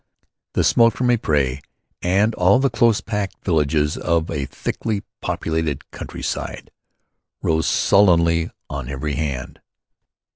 The smoke of Ypres and all the close packed villages of a thickly populated countryside rose sullenly on every hand.